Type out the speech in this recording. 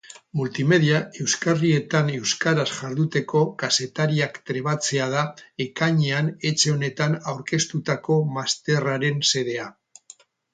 Multimedia euskarrietan euskaraz jarduteko kazetariak trebatzea da ekainean etxe honetan aurkeztutako masterraren xedea.